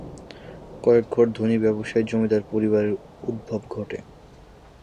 কয়েক ঘর ধনী ব্যবসায়ী জমিদার পরিবারের উদ্ভব ঘটে।